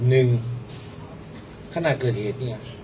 หนึ่งขนาดเกิดเหตุเนี่ย